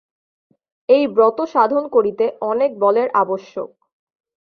এই ব্রত সাধন করিতে অনেক বলের আবশ্যক।